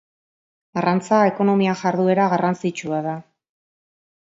Arrantza ekonomia jarduera garrantzitsua da.